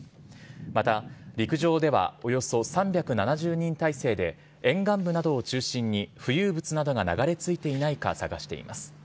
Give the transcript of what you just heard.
また、陸上ではおよそ３７０人態勢で、沿岸部などを中心に浮遊物などが流れ着いていないか探しています。